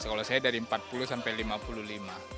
kalau saya dari empat puluh sampai lima puluh lima